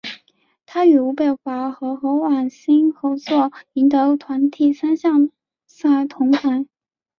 他与吴蓓华和何苑欣合作赢得团体三项赛铜牌。